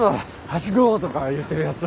「走ろう」とか言ってるやつ。